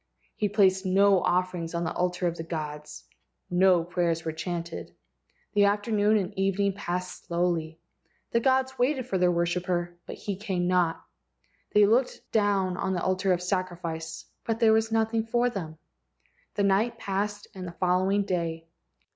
He placed no offerings on the altar of the gods. No prayers were chanted. The after¬ noon and evening passed slowly. The gods waited for their worshipper, but he came not. They looked down on the altar of sacrifice, but there was nothing for them. The night passed and the following day.